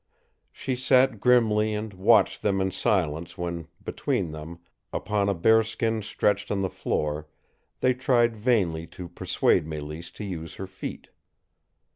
She sat grimly and watched them in silence when between them, upon a bearskin stretched on the floor, they tried vainly to persuade Mélisse to use her feet.